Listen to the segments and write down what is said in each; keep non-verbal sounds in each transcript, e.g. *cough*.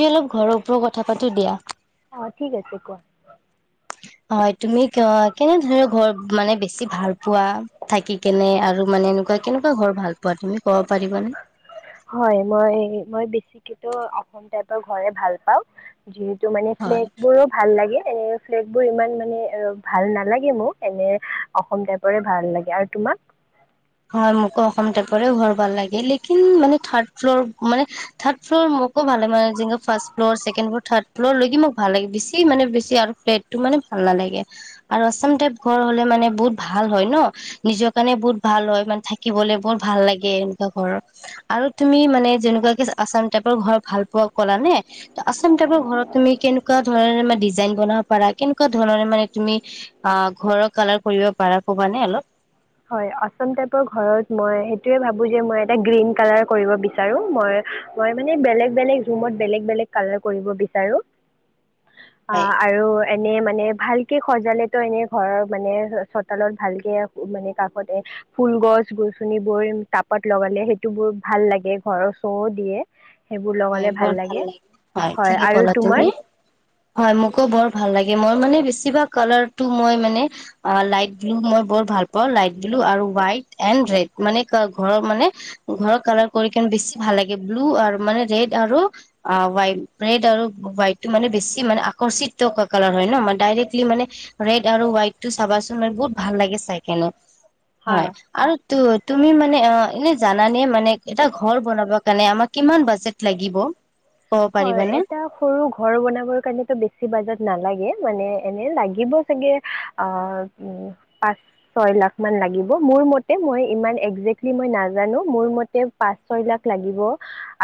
দি অলপ ঘৰ ওপৰত কথা পাতো দিয়া। হয় *unintelligible* হয় তুমি কেনে ধৰৰ ঘৰ মানে বেছি ভাল পোৱা, থাকি কেনে? আৰু মানে এনেকুৱা কেনেকুৱা ঘৰ ভাল পোৱা তুমি? ক'ব পাৰিবানে হয় মই মই বেছিকে ত অসম টাইপৰ ঘৰে ভাল পাওঁ। যিহেতু মানে হয় ফ্লেট বোৰো ভাল লাগে। এনে ফ্লেট বোৰ ইমান মানে ভাল নালাগে মোক, এনে অসম টাইপৰে ভাল লাগে। আৰু তোমাক? হয় মোকো অসম টাইপৰে ঘৰ ভাল লাগে। লেকিন মানে থাৰ্ড ফ্ল'ৰ মানে থাৰ্ড ফ্ল'ৰ মোকো ভাল মানে যেনেক first floor second floor third floor লকে মোক ভাল লাগে বেছি মানে বেছি আৰু ফ্লেটটো মানে ভাল নালাগে । আৰু আছাম টাইপ ঘৰ হ'লে মানে বহুত ভাল হয় ন, নিজৰ কাৰণে বহুত ভাল হয়। মানে থাকিবলে বহত ভাল লাগে এনেকুৱা ঘৰৰ। আৰু তুমি মানে যেনেকুৱা কি আছাম টাইপৰ ঘৰ ভাল পোৱা ক'লা নে ত আছাম টাইপৰ ঘৰত তুমি কেনেকুৱা ধৰণৰ ডিজাইন বনাব পাৰা কেনেকুৱা ধৰণৰ মানে তুমি অ ঘৰৰ কালাৰ কৰিব পাৰা ক'বানে অলপ? হয় আসাম টাইপ ৰ ঘৰত মই সেইটোয়ে ভাবোঁ যে, মই এটা গ্ৰীণ কালাৰ কৰিব বিচাৰো । মই ম‌ই মানে বেলেগ বেলেগ ৰোমত বেলেগে বেলেগে কালাৰ কৰিব বিচাৰো। অ হয় আৰু এনে মানে মানে ভালকে সজালেতো এনে ঘৰৰ মানে চোতালত ভালকে মানে, কাষতে ফুল গছ গছনিবোৰ তাপত লগালে সেইটো বোৰ ভাল লাগে ঘৰৰ শ দিয়ে। হয় বৰ ভাল লাগে হয় ঠিকে আৰু কলা তোমাৰ তুমি হয় মোকো বৰ ভাল ল মই মানে বেছিভাগ কালাৰটো মই মানে অ লাইট ব্লু মই বৰ ভাল পাওঁ, লাইট ব্লু আৰু হোৱাইট, এণ্ ৰেড। মানে ঘৰ মানে ঘৰত কালাৰ কৰি কিনে বেছি ভাল লাগে ব্লু আৰু মানে, ৰেড আৰু হাইট ৰেড আৰু হোৱাইটটো মানে বেছি মানে আকৰ্ষিত কালাৰ হয় ন মই ডাইৰেক্টলি মানে ৰেড আৰু হোৱাইট টো চাবাচোন ম বহুত ভাল লাগে চাই কিনে। হয় আৰু ত তুমি মানে অ এনে জানানে মানে এটা ঘৰ বনাবৰ কাৰণে আমাৰ কিমান বাজেট, লাগিব? ক'ব হয় পাৰিবানে? এটা সৰু ঘৰ বনাবৰ কাৰণটো বেছি বাজত নালাগে। মানে এনে লাগিব চাগে আ উম, পাঁচ ছয় লাখ মান লাগিব মোৰ মতে মই ইমান একজেক্টলি মই নাজানো। মোৰ মতে পাঁচ ছয় লাখ লাগিব।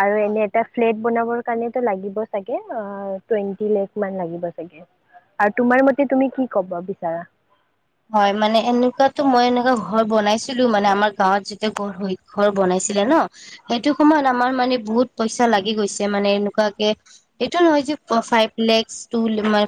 আৰু এনে হয় হয় এটা ফ্লেট বনাবৰ এনে টো লাগিব চাগে আ টুৱেন্টি লাখ মান লাগিব ছাগে। আৰু তোমাৰ মতে তুমি কি কব বিচাৰা? হয়, মানে এনেকুৱাতো মই এনেকুৱা ঘৰ বনাইছিলো মানে আমাৰ গাঁৱত যেতিয়া ঘৰ হৈ ঘৰ বনাইছিলে ন, সেইটো সময়ত আমাৰ মানে বহুত পইচা লাগি গৈছে মানে এনেকুৱাকে, এইটো নহয় যে ফাইভ লেক্স টো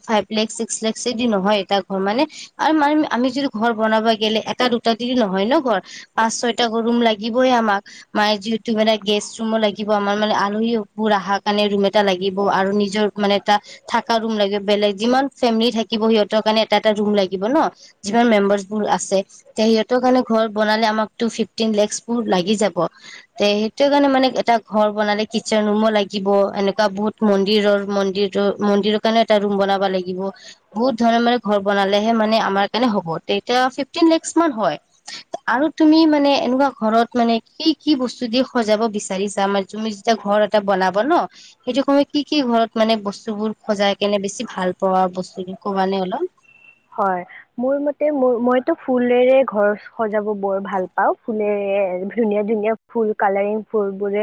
ফাই লেক্স, ছিক্স লেক্স দি নহয় এটা ঘৰ মানে, আৰু মানে, আমি যিটো ঘৰ বনাব গেলে এটা দুটা তি নহয় ন ঘৰ। পাঁচ ছয়টা ৰুম লাগিব‌ই আমাক। মানে যিহেতু মানে গেষ্ট ৰুমো লাগিব আমাৰ মানে আলহীবোৰ অহাৰ কাৰণে ৰুম এটা লাগিব। আৰু নিজৰ মানে এটা থকা ৰুম লাগিব বেলেগ যিমান ফেমিলি থাকিব সিহঁতৰ কাৰণে এটা এটা ৰুম লাগিব ন, যিমান মেম্বাৰ্চ বোৰ আছে, ত সিহঁতৰ কাৰণে ঘৰ বনালে আমাক ফিফটিন লেক্স বোৰ লাগি যাব। তে সেইটো কাৰণে মানে এটা ঘৰ বনালে কিটচেন ৰুমো লাগিব। এনেকুৱা বহুত মন্দিৰৰ মন্দিৰৰ মন্দিৰৰ কাৰণেও এটা ৰুম বনাব লাগিব বহুত ধৰণে মানে ঘৰ বনালেহে মানে আমাৰ ণে হ'ব । এতিয়া ফিফটিন লেক্স মান হয় । আৰু তুমি মানে এনেকুৱা ঘৰত মানে কি কি বস্তু দি সজাব বিচাৰিছা মান তুমি যেতিয়া ঘৰ এটা বনাব ন সেইটো সময়ত কি কি ঘৰত মানে বস্তুবোৰ সজাই কেনে বেছি ভাল পোৱা বস্তু কবা নে অলপ? হয়, মোৰ মতে মোৰ মইতো ফুলৰে ঘৰ সজাব বৰ ভাল পাওঁ। ফুলেৰে ধুনীয়া ধুনীয়া ফুল কালাৰিং ফুলবোৰে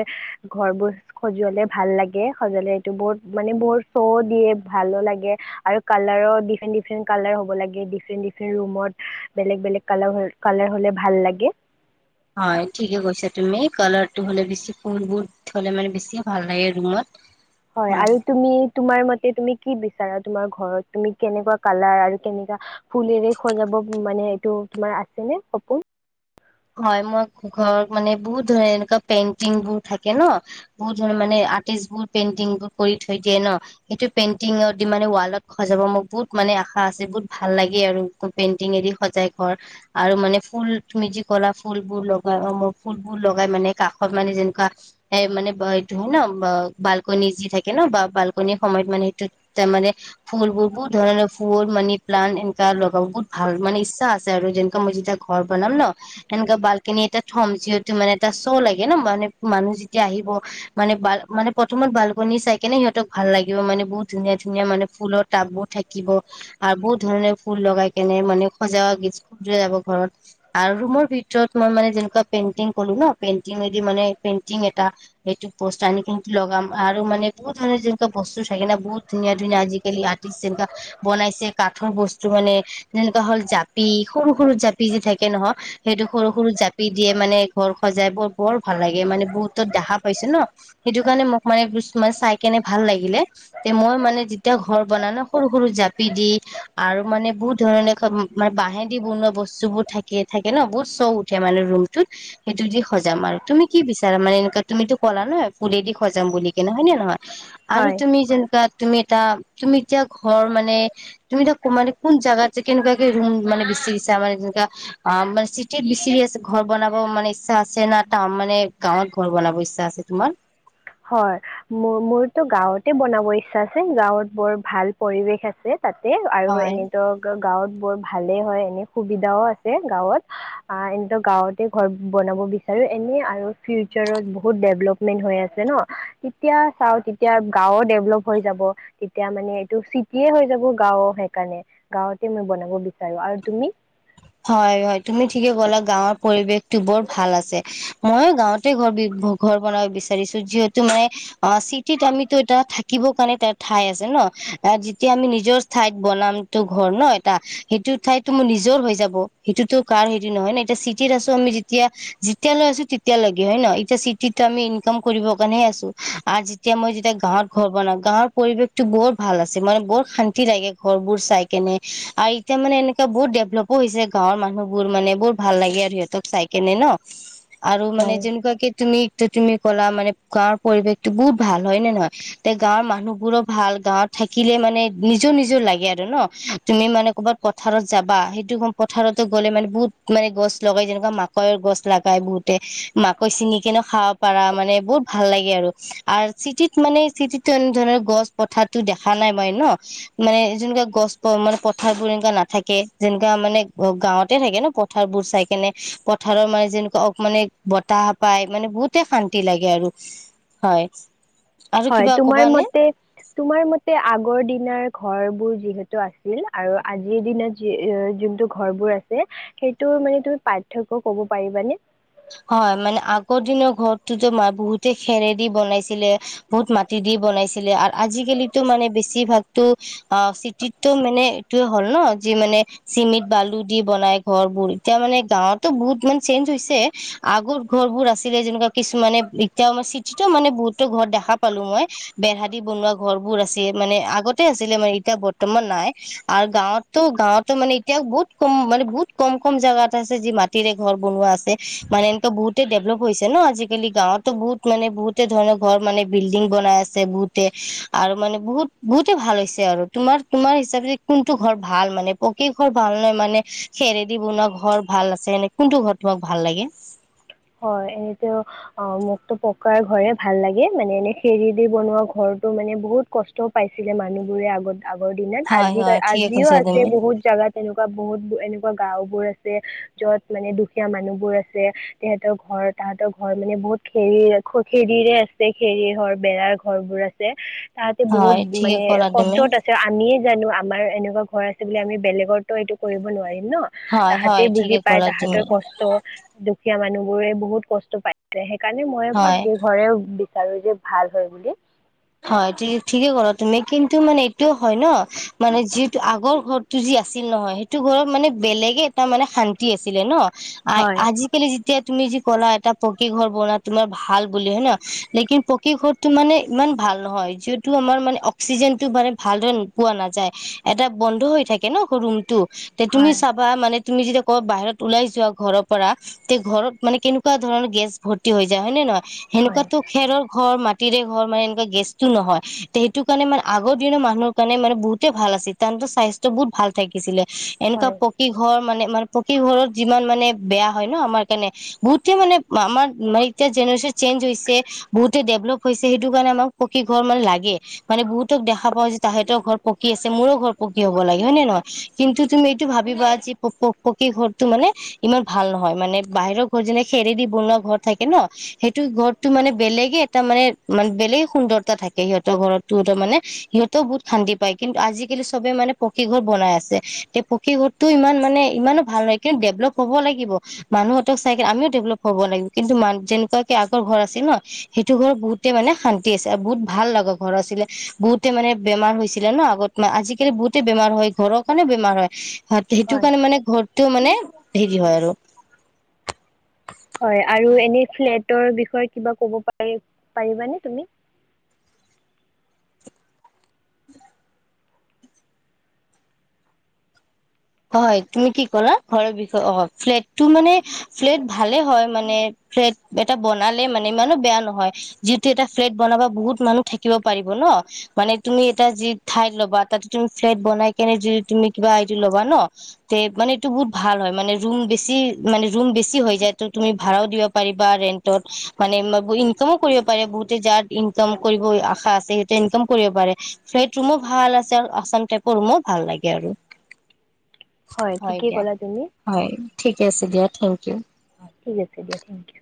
ঘৰবোৰ সজোৱালে ভাল লাগে। সজালে এইটো বুত মানে বত শ' দিয়ে ভালো লাগে আৰু কালাৰো ডিফাৰেণ্ট ডিফাৰেণ্ট, কালাৰ হ'ব লাগে, ডিফেন্ট ডিফেন্ট ৰুমত বেলেগ বেলেগ কাল কালাৰ হলে ভাল লাগে। হয় ঠিকে কৈছা তুমি, কালাৰটো হলে বেছি ফুলবোৰ হ'লে মানে বেছি ভাল লাগে ৰুমত। হয় আৰু তুমি তোমাৰ মতে তুমি কি বিচাৰা তোমাৰ ঘৰত তুমি কেনেকুৱা কালাৰ আৰু কেনেকুৱা ফুলেৰে সজাব মানে এইটো তোমাৰ আছে নে সপোন? হয়, মই ঘৰত মানে বহুত ধৰণৰ এনেকুৱা পেইণ্টিং বোৰ থাকে ন, বহুত ধৰণৰ মানে আৰ্টিষ্ট বোৰ পেইণ্টিং বোৰ কৰি থৈ দিয়ে ন, সেইটো পেইণ্টিঙ দি মানে ৱালত সজাব মোৰ বহুত মানে আশা আছে বহুত ভাল লাগে আৰু পেইণ্টিং এদি সজাই ঘৰ আৰু মানে ফুল তুমি যি কলা ফুলবোৰ লগাই, অ মোৰ ফুলবোৰ লগাই মানে কাষত মানে যেনেকুৱা এ মানে এইটো হয় ন বাল্কনি যি থাকে ন বা বাল্কনিৰ সময়ত মানে সেইটোত তাৰ মানে ফুলবোৰ বহুত ধৰণৰ ফুল, মানি প্লানট এনেকা লগাব বহুত ভাল মানে ইচ্ছা আছে আৰু যেনেকুৱা মই যেতিয়া ঘৰ বনাম ন সেনেকুৱা বাল্কনিতে থম, যিহেতু মানে এটা শ লাগে ন, মানে মানুহ যেতিয়া আহিব মানে বাল মানে প্ৰথমত বাল্কনি চাই কেনে সিহঁতক ভাল লাগিব, মানে বহুত ধুনীয়া-ধুনীয়া মানে ফুলৰ টাবোৰ থাকিব আৰু বহুত ধৰণে ফুল লগাই কেনে মানে সজা গ খুব দূৰে যাব ঘৰত আৰু ৰুমৰ ভিতৰত যত মই মানে যেনেকুৱা পেইণ্টিং কলো ন, পেইণ্টিংদি মানে পেইণ্টিং এটা সেটো পষ্ট আনি কিনে লগাম আৰু মানে বহুত ধৰণৰ যেনেকুৱা বস্তু থাকে না বহুত ধুনীয়া-ধুনীয়া আজিকালি আৰ্টিষ্ট যেনেকা বনাইছে কাঠৰ বস্তু মানে যেনেকুৱা হল জাপি, সৰু-সৰু জাপি যি থাকে নহয় সেইটো সৰু-সৰু জাপি দিয়ে মানে ঘৰ সজাই বৰ বৰ ভাল লাগে, মানে বহুতত দেখা পাইছে ন সেইটো কাৰণে মোক মানে, মানে চাই কেনে ভাল লাগিলে, তে মই মানে যেতিয়া ঘৰ বনাম ন সৰু-সৰু জাপি দি আৰু মানে বহুত ধৰণে মানে বাহেদি বনোৱা বস্তুবোৰ থাকে থাকে ন বহুত চৌ উঠে মানে ৰুমটোত সেইটো দি সজাম আৰু তুমি কি বিচাৰা মানে এনেকুৱা তুমিতো কলা নহয় ফুলে দি সজাম বুলি কেনে হয় নে নহয়? আৰু হয় তুমি যেনেকুৱা তুমি এটা, তুমি এতিয়া ঘৰ মানে তুমি এটা মানে কোন জেগাত যে কেনেকুৱাকে ৰুম মানে বিচাৰিছা মানে তেনো আ মানে চিটিত বিচিৰি আছা ঘৰ বনাব, মানে ইচ্ছা আছে ন, টাউন মানে গাঁৱত ঘৰ বনাব ইচ্ছা আছে তোমাৰ? হয় মো মোৰতো গাঁৱতে বনাব ইচ্ছা আছে, গাঁৱত বৰ ভাল পৰিৱেশ আছে। তাতে আৰু হয় এনেই ত গাঁৱত বৰ ভালে হয় এনে সুবিধাও আছে গাঁৱত, অ এনেতো গাঁৱতে ঘৰ বনাব বিচাৰো এনে আৰু ফিউচাৰত বহুত ডেভলপমেন্ট হৈ আছে। হৈছে ন, তেতিয়া চাও তেতিয়া গাঁও ডেভলপ হৈ যাব তেতিয়া মানে এইটো চিটিয়ে হৈ যাব গাঁও সেইকাৰণে গাঁওতে মই বনাব বিচাৰো আৰু তুমি হয়-হয় তুমি ঠিকে ক'লা গাঁৱৰ পৰিৱেশতো বৰ ভাল আছে, মইও গাঁৱতে ঘৰ ব ঘৰ বনাব বিচাৰিছো যিহেতু মানে অ চিটিত আমিতো এটা থাকিব কাৰণে এটা ঠাই আছে ন, যেতিয়া আমি নিজৰ ঠাইত বনাম তটো ঘৰ এটা সেইটো ঠাইতো মোৰ নিজৰ হৈ যাব। সেইটোত কাৰ হেৰি নহয় ন এতিয়া চিটিত আছো আমি যেতিয়া-যেতিয়া লৈ আছো তেতিয়া লৈকে হয় ন, এতিয়া চিটিত আমি ইনকাম কৰিব কাৰণে আছো আৰু যেতিয়া মই যেতিয়া গাঁৱত ঘৰ বনাম গাঁৱৰ পৰিবেশটো বৰ ভাল আছে, মানে বৰ শান্তি লাগে ঘৰবোৰ চাই কেনে আৰু এতিয়া মানে এনেকুৱা বহুত ডেভেলপ হৈছে গাঁৱৰ মানুহবোৰ মানে বৰ ভাল লাগে আৰু সিহঁতক চাই কেনে ন আৰু মানে হয় যেনেকুৱাকে তুমি টো তুমি ক'লা মানে গাঁৱৰ পৰিৱেশতটো বহুত ভাল হয় নে নহয়, এ গাঁৱৰ মানুহবোৰো ভাল, গাঁৱত থাকিলে মানে নিজৰ-নিজৰ লাগে আৰু ন, তুমি মানে কৰ'বাত পথাৰত যাবা পথাৰতো গ'লে মানে বহুত মানে গছ লগাই যেনেকুৱা মাকৈৰ গছ লগাই বহুতে মাকৈ চিনি কেনে খাব পাৰা মানে বহুত ভাল লাগে আৰু, আৰু চিটিত মানে চিটিতো এনে ধৰণৰ গছ পথাৰতো দেখা নাই মই ন, মানে যেনেকুৱা গছ মানে পথাৰ বোৰ এনেকুৱা নাথাকে যেনে মানে গাঁৱতে থাকে ন পথাৰবোৰ চাই কেনে পথাৰৰ মানে যেনেকুৱা মানে বতাহ পায় মানে বহুতে শান্তি লাগে আৰু হয়। আৰু হয়, কিবা তোমাৰ কবা নে? মতে তোমাৰ মতে আগৰ দিনাৰ ঘৰ বোৰ যিহেতু আছিল আৰু আজিৰ দিনত যি যোনটো ঘৰ বোৰ আছে, সেইটো মানে তুমি পাৰ্থক্য ক'ব পাৰিবানে? হয়, মানে আগৰ দিনৰ ঘৰতোতো ম বহুতে খেৰে দি বনাইছিলে, বহুত মাটি দি বনাইছিলে আৰু আজিকালিতো মানে বেছিভাগতো অ চিটিতটো মানে এইটোয়ে হ'ল ন যি মানে চিমেট বালু দি বনাই ঘৰবোৰ এতিয়া মানে গাঁৱতো বহুত মানে চেঞ্জ হৈছে আগৰ ঘৰ বোৰ আছিলে যেনেকুৱা কিছুমানে এতিয়াও মই চিটিতো মানে বহুতো ঘৰ দেখা পালো মই বেহা দি বনোৱা ঘৰ বোৰ আছে, মানে আগতে আছিলে মানে এতিয়া বৰ্তমান নাই আৰু গাঁৱতো, গাঁৱতো মানে এতিয়াও বহুত কম মানে বহুত কম-কম জেগাত আছে যি মাটিৰে ঘৰ বনোৱা আছে। মানে এনেকুৱা বহুতে ডেভলপ হৈছে ন, আজিকালি গাঁৱতো বহুত মানে বহুতে ধৰণৰ ঘৰ মানে বিল্ডিং বনাই আছে বহুতে আৰু মানে বহুত বহুতে ভাল হৈছে আৰু তোমাৰ তোমাৰ হিচাপে কোনটো ঘৰ ভাল মানে পকি ঘৰ ভাল নহয় মানে খেৰেদি বনোৱা ঘৰ ভাল আছে এনে কোনটো ঘৰ তোমাক ভাল লাগে? হয়, এনেতো অ মোকতো পকাৰ ঘৰে ভাল লাগে মানে এনে খেৰ দি বনোৱা ঘৰটো মানে বহুত কষ্টও পাইছিলে মানুহবোৰে আগতে আগৰ দিনত, হয় হয় ঠিকে আজি-আজিও কৈছা আছে তুমি বহুত জাগা তেনেকুৱা বহুত এনেকুৱা গাওবোৰ আছে, যত মানে দুখীয়া মানুহ বোৰ আছে, তেহতৰ ঘৰ তাহতৰ ঘৰ মানে বহুত খেৰিৰে আছে খেৰি ঘৰ, বেৰাৰ ঘৰবোৰ আছে। তাহতে বহুত হয় ঠিকে মানে ক'লা তুমি কষ্টত আছে আমিয়ে জানো। আমাৰ এনেকুৱা ঘৰ আছে বুলি, আমি বেলেগৰতো এইটো কৰিব নোৱাৰিম। ন, হয় হয় তাহাঁতেই বুজি ঠিকে পাই ক'লা তুমি তাহাঁতৰ কষ্ট দুখীয়া মানুহবোৰে বহুত কষ্ট পাইছে। সেই কাৰণে মই হয়। পাকি ঘৰে আৰু যে ভাল হয় বুলি। হয়, ঠিকে কলা তুমি, কিন্তু মানে এইটোও হয় ন মানে যিহেতু আগৰ ঘৰটো যি আছিল নহয় সেইটো ঘৰত মানে বেলেগে এটা মানে শান্তি আছিলে ন। হয় আজিকালি যি এতিয়া তুমি যি ক'লা এটা পকী ঘৰ বনোৱা তোমাৰ ভাল বুলি হয়ে ন লেকিন পকী ঘৰটো মানে ইমান। ভাল নহয় যিহেটো আমাৰ মানে অক্সিজেন টো মানে ভালো পোৱা নাযায় এটা বন্ধ হৈ থাকে ন ৰুম। তু তুমি হয় চাবা মানে। তুমি যেতিয়া ক বাহিৰত ওলাই যোৱা ঘৰৰ পৰা তে ঘৰত মানে কেনেকুৱা ধৰণৰ গেছ ভৰ্তি হৈ যায় হয় নে নহয়। হয় সেনেকুৱাতো খেৰৰ ঘৰ মা। তিৰে ঘৰ ম। গেছতটো নহয় সেইটো কাৰণে মানে আগৰ দিনৰ মানুহৰ কাৰণে মানে বহুতে ভাল আছিল তৰ স্বাস্থ্য বহুত ভাল থাকিছিলে? এনেকুৱা হয় পকী ঘৰ মানে। তোমাৰ পকী ঘৰত যিমান মানে বেয়া হয় ন আমাৰ কাৰণে বহুত মানে আমাৰ মানে এতিয়া জেনেৰেচন চেঞ্জ হৈছে বহুতে ডেভলপ হৈছে সেইটো কাৰণে আমাক। পকী ঘৰ মানে লাগে মানে বহুতক দেখা পাও যে তাহাঁতৰ ঘৰ পকী আছে মোৰো ঘৰ পকী হ'ব লাগে হয় নে নহয় কিন্তু তুমি এইটো ভাবিবা যে পকী ঘৰটো মানে ইমান ভাল নহয় মানে বাহিৰৰ ঘৰ যেনে খেৰেদি বনোৱা ঘৰ থাকে ন সেইটো ঘৰটো মানে বেলেগে এটা মানে মান বেলেগ। সুন্দৰতা থাকে সিহঁতৰ ঘৰতো তাৰমানে সিহঁতেও বহুত শান্তি পায় কিন্তু আজিকালি সবে মানে পকি ঘৰ বনাই আছে তে পকি ঘৰটো ইমান মানে ইমানো ভাল নহয় কিন্তু ডেভলপ হ'ব লাগিব মানুহঁতক চাই আমিও ডেভেলপ হ'ব লাগিব কিন্তু ম যেনেকুৱাকে আগৰ ঘৰ আছিল ন সেইটো ঘৰ বহুতে মানে শান্তি। আছে আৰু বহুত ভাল লগা ঘৰ আছিলে বহুতে মানে বেমাৰ হৈছিলে ন আগত ম আজিকালি বহুতে বেমাৰ হয় ঘৰৰ কাৰণে বেমাৰ হয়। সেইটো হয় কাৰণে মানে ঘৰত। টো মানে হেৰি হয় আৰু। হয় আৰু এনে ফ্লেট। বিষয়ে কিবা কব পাৰি পাৰিবানে তুমি। হয় তুমি কি ক'লা ঘৰৰ বিষয়ে অ ফ্লেটটো মানে ফ্লেট ভালে হয় মানে ফ্লেট এটা বনালে মানে ইমানো বেয়া নহয় যিটো এটা ফ্লেট বনাবা বহুত মানুহ থাকিব পাৰিব ন মানে তুমি এটা যি ঠাইত ল'বা তাতে তুমি ফ্ বনাই কেনে তুমি কিবাই ল'ব। হোৱা ন তে মানে এইটো বহুত ভাল হয় মানে ৰুম বেছি মানে ৰুম বেচি হয় যায় ত তুমি ভাঢ়া দিব পাৰিব ৰেণ্টত মানে ইনকমো কৰিব পৰিবা বহুতে যাৰ ইনকম কৰিব আশা আছে সিহঁতে ইনকম কৰিব পাৰে সিহঁত ৰুমো ভাল আছে আসাম টাইপৰ ৰুমত ভাল লাগে আৰু। হয় ঠিকেই ক'লা তুমি। ঠিকে আছে দিয়া থেংক ইউ। অ ঠিক আছে দিয়া থেংক ইউ।